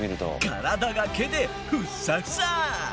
体が毛でフッサフサ！